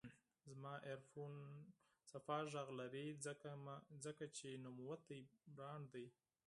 زما ایرفون پاک غږ لري، ځکه چې نوموتی برانډ دی.